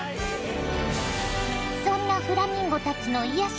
そんなフラミンゴたちの癒やし